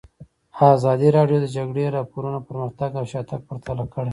ازادي راډیو د د جګړې راپورونه پرمختګ او شاتګ پرتله کړی.